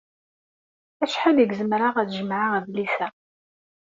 Acḥal ay zemreɣ ad jemɛeɣ adlis-a?